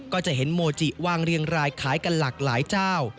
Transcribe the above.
ก็จะเห็นโมจิวางเรียงรายขายกันหลากหลายเจ้า